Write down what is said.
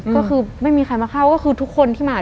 ก็คือไม่มีใครมาเข้าก็คือทุกคนที่มา